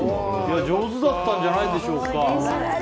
上手だったんじゃないでしょうか。